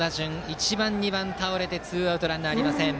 １番、２番倒れてツーアウトランナーありません。